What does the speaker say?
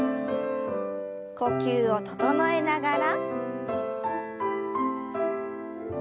呼吸を整えながら。